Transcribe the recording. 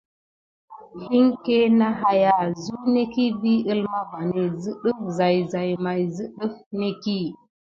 Hine ké na haya zuneki vi əlma vani zə ɗəf zayzay may zə ɗəf nekiy.